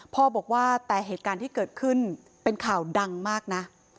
พ่อบอกว่าแต่เหตุการณ์ที่เกิดขึ้นเป็นข่าวดังมากนะ